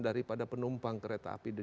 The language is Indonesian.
daripada penumpang kereta api